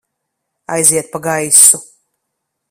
Aiziet pa gaisu!